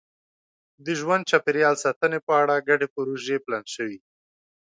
د ژوند چاپېریال ساتنې په اړه ګډې پروژې پلان شوي.